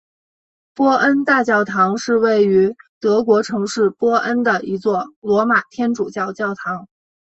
波恩大教堂是位于德国城市波恩的一座罗马天主教教堂。